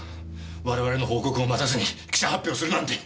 我々の報告を待たずに記者発表するなんて！